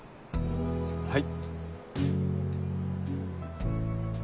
はい。